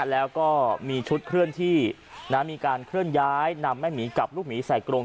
แล้วก็มีชุดเคลื่อนที่มีการเคลื่อนย้ายนำแม่หมีกับลูกหมีใส่กรง